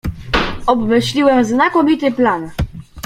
"„Obmyśliłem znakomity plan."